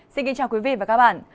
xin kính chào quý vị và các bạn